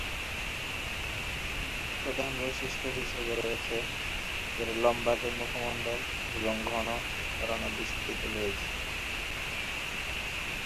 প্রধান বৈশিষ্ট্য হিসেবে রয়েছে এর লম্বাটে মুখমণ্ডল এবং ঘন, ছড়ানো বিস্তৃত লেজ।